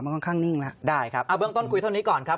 ค่อนข้างนิ่งแล้วได้ครับเอาเบื้องต้นคุยเท่านี้ก่อนครับ